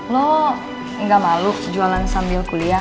lo gak malu jualan sambil kuliah